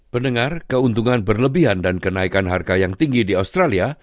pendengar keuntungan berlebihan dan kenaikan harga yang tinggi di australia